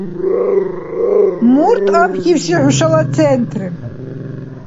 Мурт абхьибси хӀушала Центр?